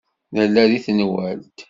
Nella deg tenwalt.